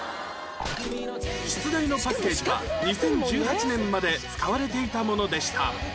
出題のパッケージは２０１８年まで使われていたものでした